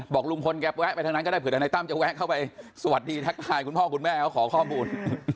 บอกลุงพลแกแวะไปทางนั้นก็ได้เผื่อทนายตั้มจะแวะเข้าไปสวัสดีทักทายคุณพ่อคุณแม่เขาขอข้อมูล